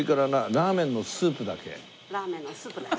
ラーメンのスープだけ。